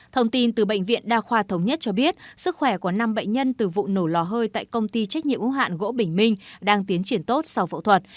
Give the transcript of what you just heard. thông tin từ bệnh viện đa khoa thống nhất cho biết sức khỏe của năm bệnh nhân từ vụ nổ lò hơi tại công ty trách nhiệm ưu hạn gỗ bình minh đang tiến triển tốt sau phẫu thuật